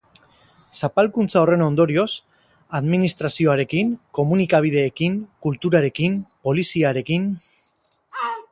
Zapalkuntza horren ondorioz, administrazioarekin, komunikabideekin, kulturarekin, poliziarekin...